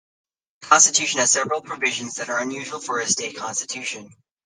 The constitution has several provisions that are unusual for a state constitution.